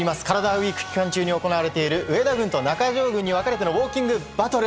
ＷＥＥＫ期間中に行われている上田軍と中条軍に分かれてのウォーキングバトル。